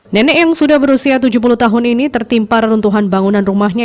nenek yang sudah berusia tujuh puluh tahun ini tertimpa reruntuhan bangunan rumahnya